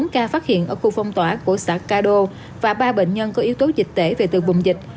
một mươi bốn ca phát hiện ở khu phong tỏa của xã cà đô và ba bệnh nhân có yếu tố dịch tễ về từ vùng dịch